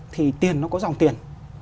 thì tiền nó có dòng tiền